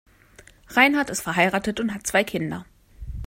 Reinhart ist verheiratet und hat zwei Kinder.